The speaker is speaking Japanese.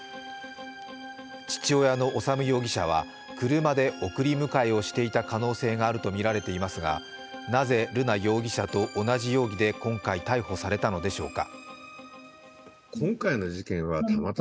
父親の修容疑者は車で送り迎えをしていた可能性があるとみられていますがなぜ瑠奈容疑者と同じ容疑で今回、逮捕されたのでしょうか。